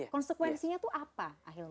konsekuensinya itu apa